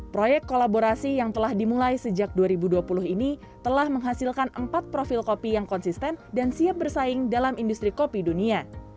proyek kolaborasi yang telah dimulai sejak dua ribu dua puluh ini telah menghasilkan empat profil kopi yang konsisten dan siap bersaing dalam industri kopi dunia